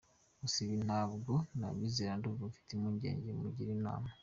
Gusa ibi ntabwo nabyizeye, ndumva mfite impungenge, mungire inama.